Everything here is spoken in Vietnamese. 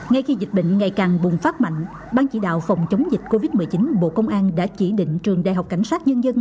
ngay khi dịch bệnh ngày càng bùng phát mạnh ban chỉ đạo phòng chống dịch covid một mươi chín bộ công an đã chỉ định trường đại học cảnh sát nhân dân